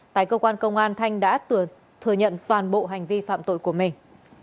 tại cơ quan công an thanh đã thừa nhận toàn bộ hành vi phạm tội của mình